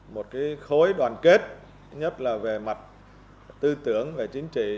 một khối đoàn kết nhất là về mặt tư tưởng về chính trị